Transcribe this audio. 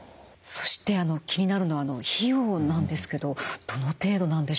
そして気になるのは費用なんですけどどの程度なんでしょうか？